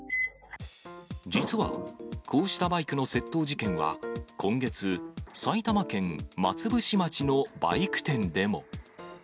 実はこうしたバイクの窃盗事件は、今月、埼玉県松伏町のバイク店でも。